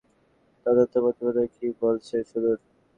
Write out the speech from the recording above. তদন্ত প্রতিবেদন কী বলছে শুনুন।